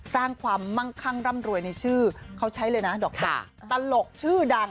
สร้างความมั่งคั่งร่ำรวยในชื่อเขาใช้เลยนะดอกตลกชื่อดัง